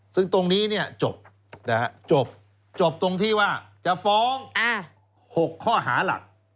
ซึ่งตรงนี้จบตรงที่ว่าจะฟ้อง๖ข้อหาหลัก